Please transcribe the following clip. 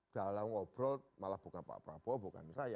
dalam ngobrol malah bukan pak prabowo bukan saya